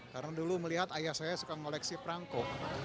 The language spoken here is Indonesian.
karena dulu melihat ayah saya suka koleksi perangko